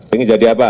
ingin jadi apa